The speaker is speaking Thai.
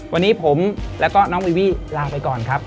วันนี้ผมแล้วก็น้องวีวี่ลาไปก่อนครับ